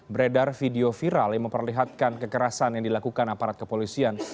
beredar video viral yang memperlihatkan kekerasan yang dilakukan aparat kepolisian